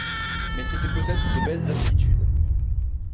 Mais c'étaient peut-être de belles aptitudes.